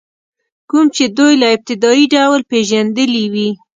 کوم چې دوی په ابتدایي ډول پېژندلي وي.